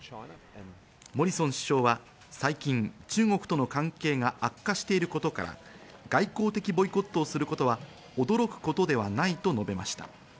モリソン首相は最近、中国との関係が悪化していることから、外交的ボイコットをすることは驚くことではないと述べました。